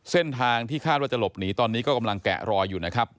เส้นทางที่คาดว่าจะหลบหนีตอนนี้ก็กำลังแกะรอยอยู่นะครับ